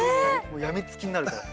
もう病みつきになるから。